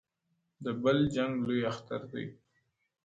o د بل جنگ لوى اختر دئ!